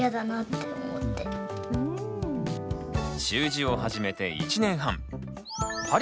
習字を始めて１年半。